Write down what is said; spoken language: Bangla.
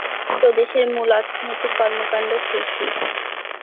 প্রদেশের মূল অর্থনৈতিক কর্মকাণ্ড কৃষি।